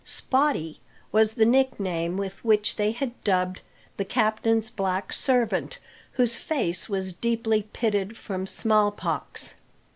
"Spottie" was the nickname with which they had dubbed the captain's black servant, whose face was deeply pitted from smallpox.